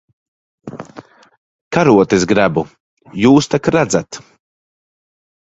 Karotes grebu. Jūs tak redzat.